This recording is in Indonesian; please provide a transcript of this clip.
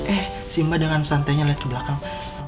eh si mbak dengan santainya liat ke belakang